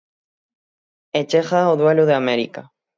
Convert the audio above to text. E chega o duelo de América.